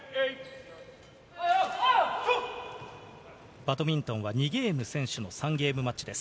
バドミントンは２ゲーム先取、３ゲームマッチです。